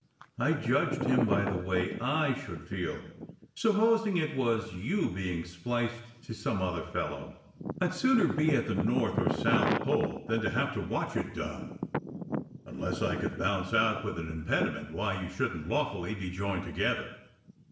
I judged him by the way I should feel, supposing it was you being spliced to some other fellow. I d sooner be at the North or South Pole than have to watch it done, unless I could bounce out with an impediment why you shouldn t lawfully be joined together."